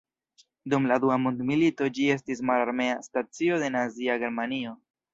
Dum la Dua Mondmilito ĝi estis mararmea stacio de Nazia Germanio.